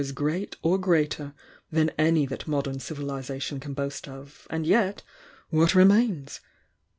as great or greater than any that modern civihsation can boast of— and yet what remains?